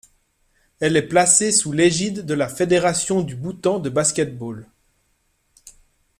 Elle est placée sous l'égide de la Fédération du Bhoutan de basket-ball.